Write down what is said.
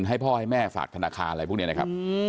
ให้พ่อให้แม่ฝากธนาคารอะไรพวกนี้นะครับ